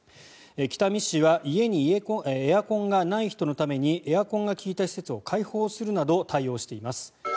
北見市は家にエアコンがない人のためにエアコンが利いた施設を開放するなど対応しています。